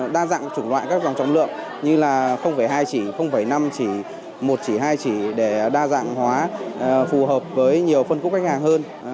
đa dạng chủng loại các dòng trọng lượng như là hai chỉ năm chỉ một chỉ hai chỉ để đa dạng hóa phù hợp với nhiều phân khúc khách hàng hơn